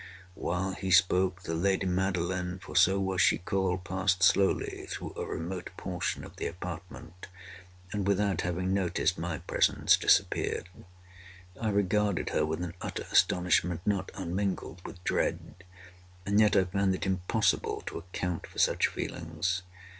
While he spoke, the lady Madeline (for so was she called) passed slowly through a remote portion of the apartment, and, without having noticed my presence, disappeared. I regarded her with an utter astonishment not unmingled with dread—and yet I found it impossible to account for such feelings.